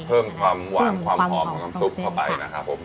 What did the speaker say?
เพิ่มความหวานความหอมของน้ำซุปเข้าไปนะครับผม